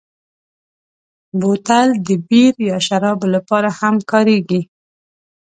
بوتل د بیر یا شرابو لپاره هم کارېږي.